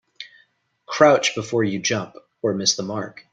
Crouch before you jump or miss the mark.